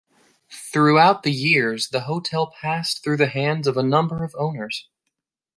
Throughout the years, the hotel passed through the hands of a number of owners.